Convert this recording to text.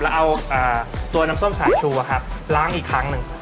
แล้วเอาตัวน้ำส้มสายชูล้างอีกครั้งหนึ่ง